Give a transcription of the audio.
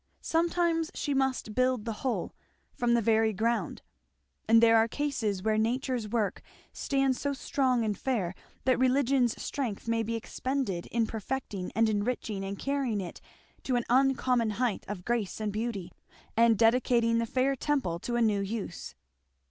Sometimes she must build the whole, from the very ground; and there are cases where nature's work stands so strong and fair that religion's strength may be expended in perfecting and enriching and carrying it to an uncommon height of grace and beauty, and dedicating the fair temple to a new use.